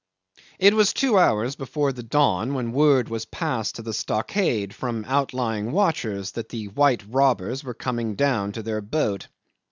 'It was two hours before the dawn when word was passed to the stockade from outlying watchers that the white robbers were coming down to their boat.